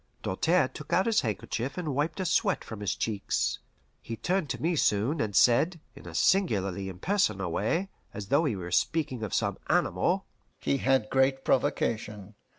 Doltaire took out his handkerchief and wiped a sweat from his cheeks. He turned to me soon, and said, in a singularly impersonal way, as though he were speaking of some animal: "He had great provocation.